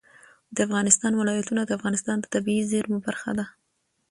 د افغانستان ولايتونه د افغانستان د طبیعي زیرمو برخه ده.